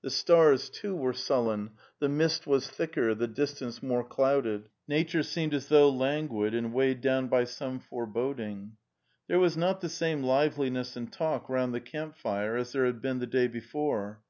The stars, too, were sullen, the mist was thicker, the distance more clouded. Nature seemed as though languid and weighed down by some foreboding. There was not the same liveliness and talk round the camp fire as there had been the day before.